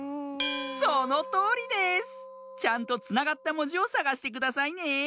そのとおりです！ちゃんとつながったもじをさがしてくださいね。